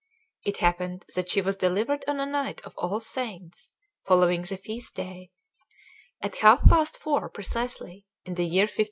It happened that she was delivered on a night of All Saints, following the feast day, at half past four precisely, in the year 1500.